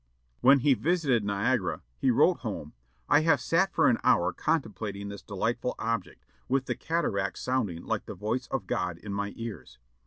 When he visited Niagara, he wrote home, "I have sat for an hour contemplating this delightful object, with the cataract sounding like the voice of God in my ears.